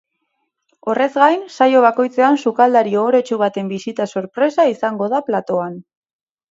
Horrez gain, saio bakoitzean sukaldari ohoretsu baten bisita sorpresa izango da platoan.